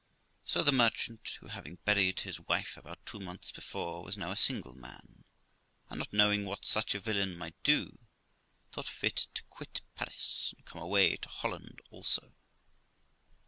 So the merchant, who, having buried his wife about two months before, was now a single man, and not knowing what such a villain might do, thought fit to quit Paris, and came away to Holland also.